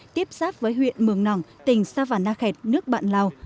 tiếp xác với huyện mường nòng tỉnh savanakhet nước bạn lào